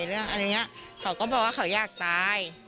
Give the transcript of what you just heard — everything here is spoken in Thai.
เรื่องอันนี้เขาก็บอกว่าเขาอยากตาย